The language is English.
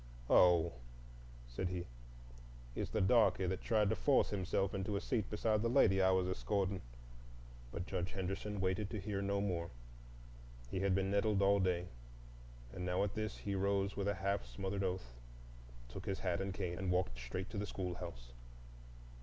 "Oh," said he, "it's the darky that tried to force himself into a seat beside the lady I was escorting—" But Judge Henderson waited to hear no more. He had been nettled all day, and now at this he rose with a half smothered oath, took his hat and cane, and walked straight to the schoolhouse.